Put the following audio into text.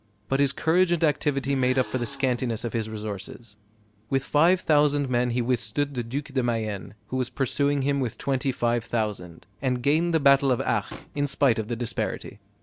But his courage and activity made up for the scantiness of his resources. With five thousand men he withstood the Duc de Mayenne, who was pursuing him with twenty five thousand, and gained the battle of Arques, in spite of the disparity.